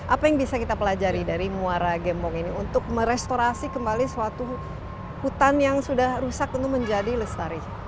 apa yang bisa kita pelajari dari muara gembong ini untuk merestorasi kembali suatu hutan yang sudah rusak tentu menjadi lestari